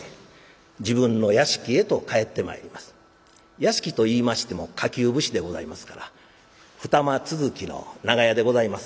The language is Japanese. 屋敷といいましても下級武士でございますから二間続きの長屋でございます。